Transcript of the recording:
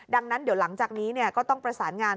ดังนั้นเดี๋ยวหลังจากนี้ก็ต้องประสานงาน